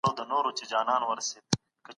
موږ بايد په ټولني کي د رښتيا لار غوره کړو.